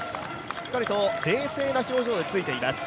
しっかりと冷静な表情でついています。